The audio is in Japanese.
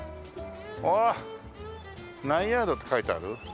ほら何ヤードって書いてある？